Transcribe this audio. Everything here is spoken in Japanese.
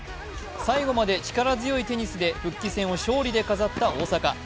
最後まで力強いテニスで復帰戦を勝利で飾った大坂。